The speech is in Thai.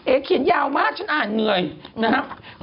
เขียนยาวมากฉันอ่านเหนื่อยนะครับ